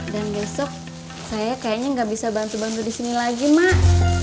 dan besok saya kayaknya gak bisa bantu bantu disini lagi mak